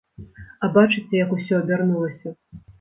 А бачыце, як усё абярнулася.